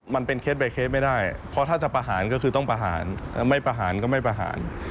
มันเป็นเคสใบเคสไม่ได้เพราะถ้าจะประหารก็คือต้องประหารไม่ประหารก็ไม่ประหาร